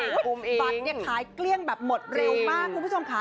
บัตรเนี่ยขายเกลี้ยงแบบหมดเร็วมากคุณผู้ชมค่ะ